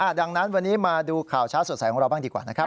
ดังนั้นวันนี้มาดูข่าวเช้าสดใสของเราบ้างดีกว่านะครับ